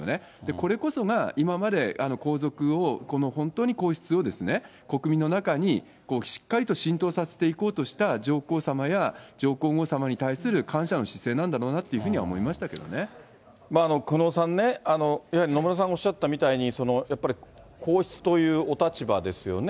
これこそが、今まで皇族を、本当に皇室を、国民の中にしっかりと浸透させていこうとした上皇さまや上皇后さまに対する感謝の姿勢なんだろうなというふうには思いましたけど久能さんね、野村さんがおっしゃったみたいに、やっぱり皇室というお立場ですよね。